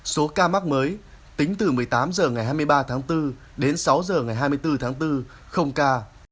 số ca mắc mới tính từ một mươi tám h ngày hai mươi ba tháng bốn đến sáu h ngày hai mươi bốn tháng bốn không ca